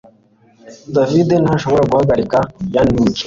David ntashobora guhagarika yawning